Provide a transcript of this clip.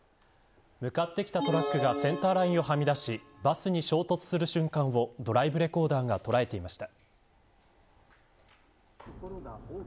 向かってきたトラックがセンターラインをはみ出しバスに衝突する瞬間をドライブレコーダーが捉えていました。